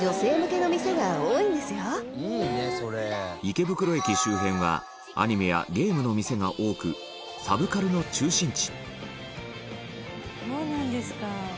池袋駅周辺はアニメやゲームの店が多くサブカルの中心地羽田：そうなんですか。